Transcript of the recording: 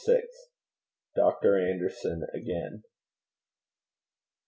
DR. ANDERSON AGAIN.